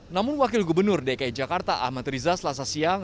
namun wakil gubernur dki jakarta ahmad riza selasa siang